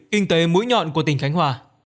kinh tế mũi nhọn của tỉnh khánh hòa